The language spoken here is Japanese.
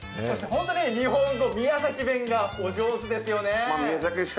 本当に日本語、宮崎弁がお上手ですよね。